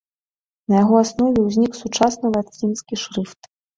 На яго аснове ўзнік сучасны лацінскі шрыфт.